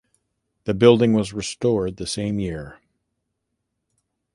The building was restored the same year.